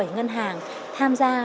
bảy ngân hàng tham gia